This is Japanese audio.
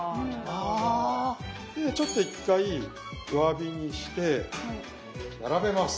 ちょっと１回弱火にして並べます。